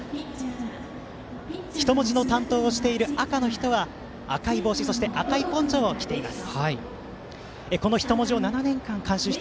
人文字の担当をしている赤の人は赤い帽子、赤いポンチョを着ています。